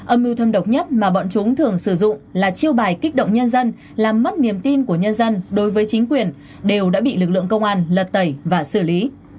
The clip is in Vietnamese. âm mưu thâm độc nhất mà bọn chúng thường sử dụng là chiêu bài kích động nhân dân làm mất niềm tin của nhân dân đối với chính quyền đều đã bị lực lượng công an lật tẩy và xử lý